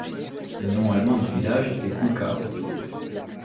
Le nom allemand du village était Kulkau.